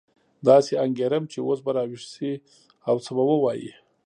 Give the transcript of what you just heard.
داسې انګېرم چې اوس به راویښ شي او څه به ووایي.